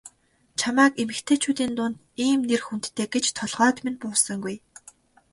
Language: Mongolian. Чамайг эмэгтэйчүүдийн дунд ийм нэр хүндтэй гэж толгойд минь буусангүй.